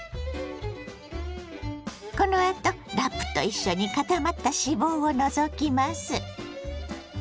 このあとラップと一緒に固まった脂肪を除きます。